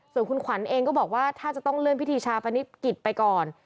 ส่วนคุณขวัญเองก็บอกว่าถ้าจะต้องเลื่อนพิธีชาปนิษฐกิจไปก่อน